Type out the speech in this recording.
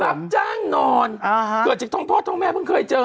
รับจ้างนอนอ่าฮะเกิดจากทั้งพ่อทั้งแม่เพิ่งเคยเจอเนี่ย